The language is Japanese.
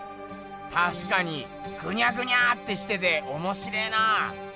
たしかにぐにゃぐにゃってしてておもしれえなあ。